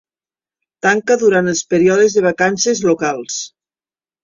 Tanca durant els períodes de vacances locals.